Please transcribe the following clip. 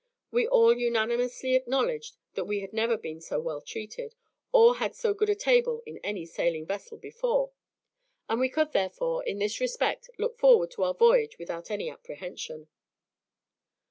We all unanimously acknowledged that we had never been so well treated, or had so good a table in any sailing vessel before; and we could, therefore, in this respect, look forward to our voyage without any apprehension.